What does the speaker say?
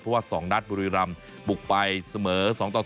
เพราะว่า๒นัดบุรีรำบุกไปเสมอ๒ต่อ๒